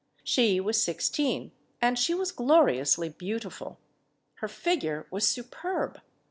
She was sixteen, and she was gloriously beautiful. Her figure was superb.